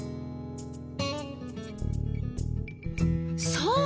そう。